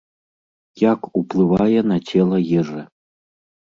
Як уплывае на цела ежа?